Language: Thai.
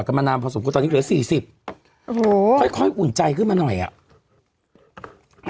มานานพอสมควรตอนนี้เหลือสี่สิบโอ้โหค่อยค่อยอุ่นใจขึ้นมาหน่อยอ่ะ